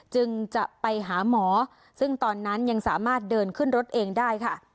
จึงจะไปหาหมอซึ่งตอนนั้นยังสามารถเดินขึ้นรถเองได้ค่ะ